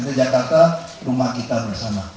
dan juga rumah kita bersama